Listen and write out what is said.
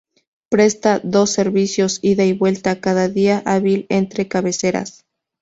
Presta dos servicios ida y vuelta cada día hábil entre cabeceras.